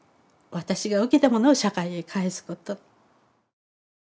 私が受けたものを社会へ返すこと。